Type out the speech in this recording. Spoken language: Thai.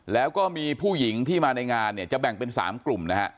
แล้วก็มีผู้หญิงที่มาในงานจะแบ่งเป็น๓กลุ่ม